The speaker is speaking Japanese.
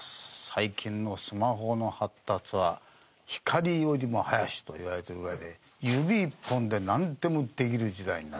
最近のスマホの発達は光よりも速しと言われてるぐらいで指一本でなんでもできる時代になって参りました。